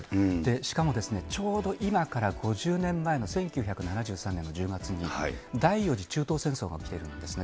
しかも、ちょうど今から５０年前の１９７３年の１０月に、第４次中東戦争が起きているんですね。